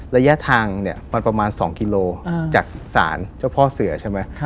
ระยะทางเนี่ยมันประมาณ๒กิโลจากศาลเจ้าพ่อเสือใช่ไหม